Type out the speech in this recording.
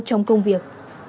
trong công việc